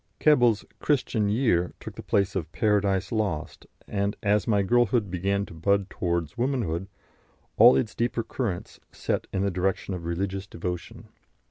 Keble's "Christian Year" took the place of "Paradise Lost," and as my girlhood began to bud towards womanhood, all its deeper currents set in the direction of religious devotion.